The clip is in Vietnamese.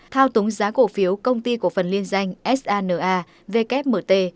thao túng giá cổ phiếu công ty cổ phần liên danh sana wmt